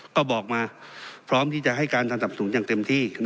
ก็บอกมาพร้อมที่จะให้การสนับสนุนอย่างเต็มที่